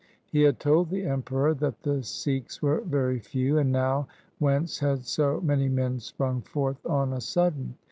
He had told the Emperor that the Sikhs were very few, and now whence had so many men sprung forth on a sudden